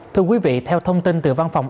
thưa quý vị theo thông tin từ văn phòng